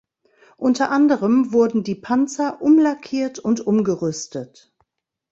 Unter anderem wurden die Panzer umlackiert und umgerüstet.